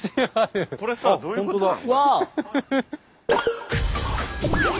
これさどういうことなの？